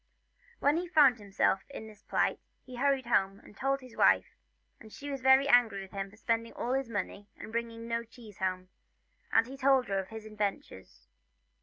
When he found himself in this plight he hurried home, and told his wife, and she was very angry with him for spending all the money and bringing no cheese home, and then he told her his adventures.